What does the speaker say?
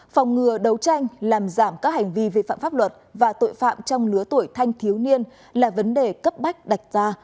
phòng ngừa đấu tranh làm giảm các hành vi vi phạm pháp luật và tội phạm trong lứa tuổi thanh thiếu niên là vấn đề cấp bách đạch ra